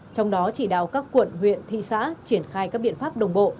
trong đó chỉ đạo các quận huyện thị xã triển khai các biện pháp đồng bộ